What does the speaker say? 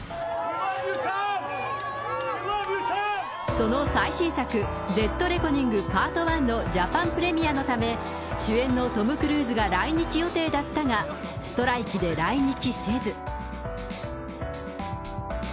その最新作、デッドレコニングパートワンのジャパンプレミアのため、主演のトム・クルーズが来日予定だったが、ストライキで来日せず。